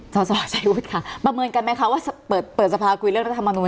สสชัยวุฒิค่ะประเมินกันไหมคะว่าเปิดสภาคุยเรื่องรัฐมนุน